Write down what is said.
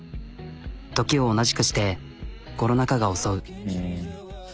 時を同じくしてコロナ禍が襲う。